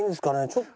ちょっと。